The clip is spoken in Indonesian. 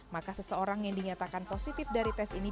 maka seseorang yang dinyatakan positif dari tes ini